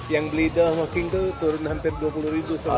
yang bledo sama king itu turun hampir dua puluh ribu soal sekan